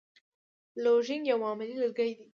لوژینګ یو معمولي لرګی دی.